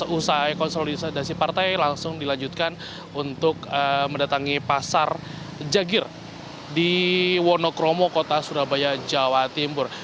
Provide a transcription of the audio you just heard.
usai konsolidasi partai langsung dilanjutkan untuk mendatangi pasar jagir di wonokromo kota surabaya jawa timur